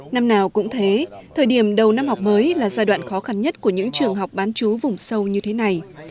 năm nào cũng thế thời điểm đầu năm học mới là giai đoạn khó khăn nhất của những trường học bán chú vùng sâu như thế này